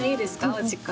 お時間。